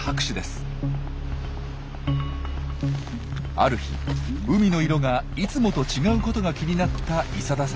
ある日海の色がいつもと違うことが気になった伊佐田さん。